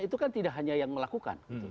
itu kan tidak hanya yang melakukan